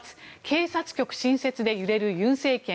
警察局新設で揺れる尹政権。